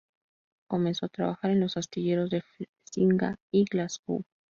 Comenzó a trabajar en los astilleros de Flesinga y Glasgow.